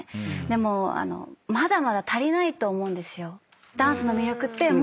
でもまだまだ足りないと思うんですよ。